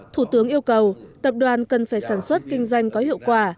thủ tướng yêu cầu tập đoàn cần phải sản xuất kinh doanh có hiệu quả